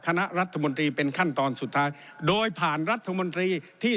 คณะรัฐมนตรีเป็นขั้นตอนสุดท้ายโดยผ่านรัฐมนตรีที่